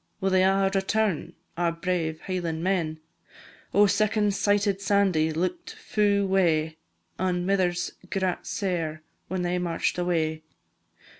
Will they a' return, our brave Hieland men? Oh, second sighted Sandie look'd fu' wae, An' mithers grat sair whan they march'd away.